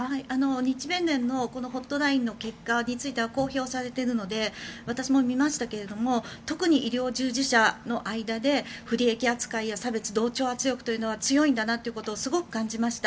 日弁連のホットラインの結果については公表されているので私も見ましたけれども特に医療従事者の間で不利益扱いや差別同調圧力は強いんだなというのを感じました。